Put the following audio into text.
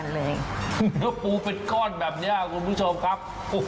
แล้วปูเป็นก้อนแบบนี้คุณผู้ชมครับ